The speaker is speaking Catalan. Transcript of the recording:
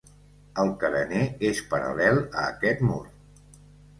El carener és paral·lel a aquest mur.